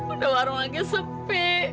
udah warung lagi sepi